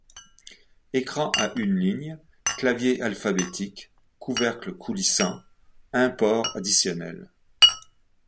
Écran à une ligne, clavier alphabétique, couvercle coulissant, un port additionnel.